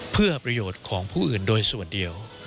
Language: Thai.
เพื่อประโยชน์ของผู้อื่นโดยส่วนเดียว